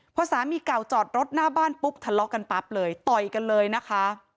พอสามีเก่าจอดรถหน้าบ้านปุ๊บทะเลาะกันปั๊บเลยต่อยกันเลยนะคะ